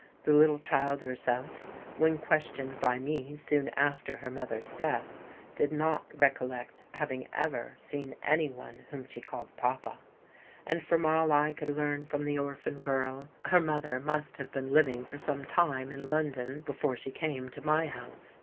"The little child herself, when questioned by me soon after her mother's death, did not recollect having ever seen any one whom she called Papa; and from all I could learn from the orphan girl, her mother must have been living for some time in London before she came to my house.